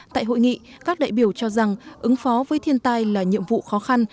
tại hội nghị các đại biểu cho rằng ứng phó với thiên tai là nhiệm vụ khó khăn